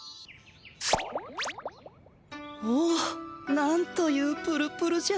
おなんというプルプルじゃ。